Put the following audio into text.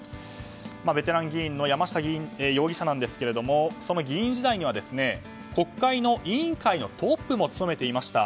ベテラン議員の山下容疑者ですがその議員時代には国会の委員会のトップも務めていました。